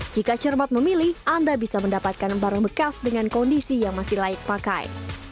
jika cermat memilih anda bisa mendapatkan barang bekas dengan kondisi yang masih layak pakai